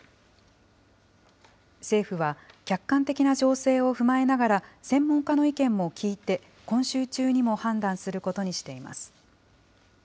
政府は、客観的な情勢を踏まえながら、専門家の意見も聞いて、今週中にも判断することにしています。